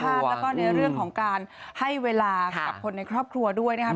แล้วก็ในเรื่องของการให้เวลากับคนในครอบครัวด้วยนะครับ